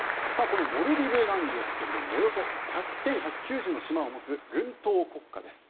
このモルディブなんですがおよそ１１９０の島を持つ群島国家です。